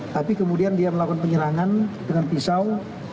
tapi kemudian dia melakukan penyerangan dengan pisau